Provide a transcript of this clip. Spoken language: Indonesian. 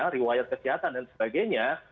rewire kesehatan dan sebagainya